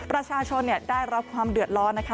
ประชาชนได้รับความเดือดร้อนนะคะ